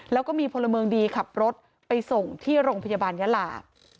แล้วก็มีพลเมืองดีขับรถไปส่งที่โรงพยาบาลยาลา